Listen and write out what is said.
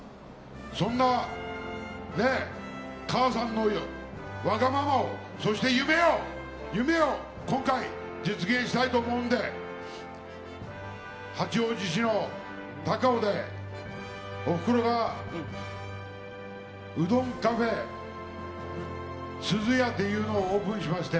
そんな母さんのわがままをそして、夢を今回実現したいと思うんで八王子市の高尾で、おふくろがＵｄｏｎＣａｆｅ鈴屋というのをオープンしまして。